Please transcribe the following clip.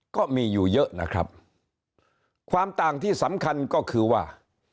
ก็มีอยู่เยอะนะครับความต่างที่สำคัญก็คือว่า